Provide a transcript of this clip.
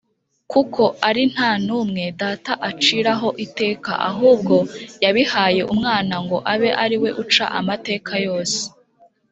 . “Kuko ari nta n’umwe Data aciraho iteka, ahubwo yabihaye Umwana ngo abe ari we uca amateka yose